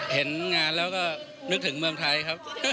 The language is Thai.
เห็นงานแล้วก็นึกถึงเมืองไทยครับ